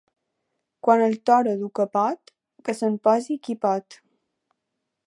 Quan el Toro du capot, que se'n posi qui pot.